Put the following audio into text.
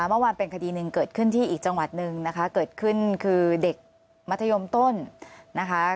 เมื่อวานเป็นคดีหนึ่งเกิดขึ้นที่อีกจังหวัดหนึ่งนะคะเกิดขึ้นคือเด็กมัธยมต้นนะคะ